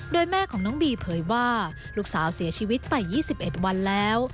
โดยแม่ของน้องบีเผยว่าลูกสาวเสียชีวิตไป๒๑วันแล้ว